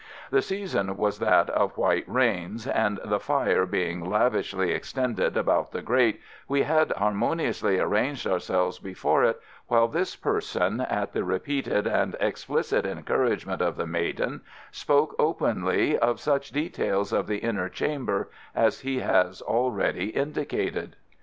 The season was that of white rains, and the fire being lavishly extended about the grate we had harmoniously arranged ourselves before it, while this person, at the repeated and explicit encouragement of the maiden, spoke openly of such details of the inner chamber as he has already indicated.